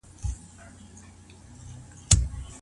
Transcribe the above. حضرت علي ولي رسول الله ته خپل مور او پلار قربانول؟